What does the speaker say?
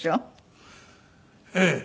ええ。